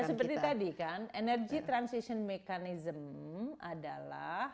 seperti tadi kan energy transition mechanism adalah